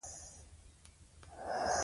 کعبه د مسلمانانو د عبادت تر ټولو مهم ځای دی.